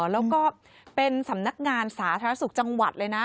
แล้วก็เป็นสำนักงานสาธารณสุขจังหวัดเลยนะ